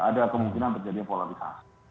ada kemungkinan terjadi polarisasi